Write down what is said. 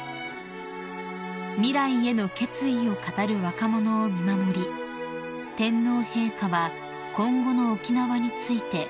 ［未来への決意を語る若者を見守り天皇陛下は今後の沖縄について述べられました］